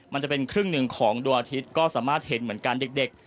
มันจะเป็นครึ่งหนึ่งของดวงอาทิตย์ก็สามารถเห็นเหมือนกันเด็ก